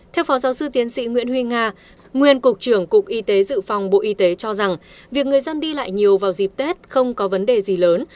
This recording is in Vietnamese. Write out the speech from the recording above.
theo phó giáo sư tiến sĩ nguyễn huy nga nguyên cục trưởng cục y tế dự phòng bộ y tế cho rằng việc người dân đi lại nhiều vào dịp tết không có vấn đề gì lớn